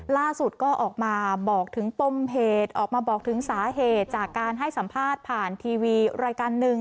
ล่าสุดก็ออกมาบอกถึงปมเหตุออกมาบอกถึงสาเหตุจากการให้สัมภาษณ์ผ่านทีวีรายการหนึ่ง